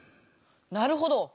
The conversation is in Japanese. なるほど！